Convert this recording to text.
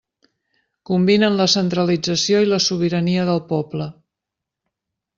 Combinen la centralització i la sobirania del poble.